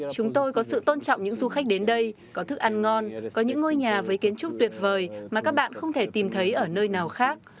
chúng tôi có sự tôn trọng những du khách đến đây có thức ăn ngon có những ngôi nhà với kiến trúc tuyệt vời mà các bạn không thể tìm thấy ở nơi nào khác